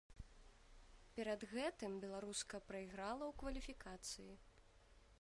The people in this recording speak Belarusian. Перад гэтым беларуска прайграла ў кваліфікацыі.